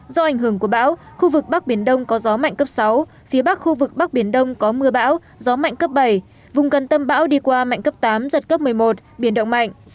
do ảnh hưởng của bão khu vực bắc biển đông có gió mạnh cấp sáu phía bắc khu vực bắc biển đông có mưa bão gió mạnh cấp bảy vùng gần tâm bão đi qua mạnh cấp tám giật cấp một mươi một biển động mạnh